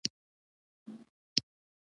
بدرنګه اندېښنې د امید ضد وي